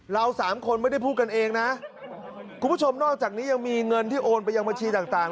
เราสามคนไม่ได้พูดกันเองนะคุณผู้ชมนอกจากนี้ยังมีเงินที่โอนไปยังบัญชีต่าง